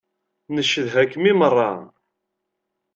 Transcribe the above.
Ncedha-kem i meṛṛa.